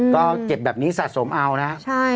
ก็เก็บแบบนี้สะสมเอานะ